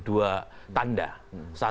itu kalau berarti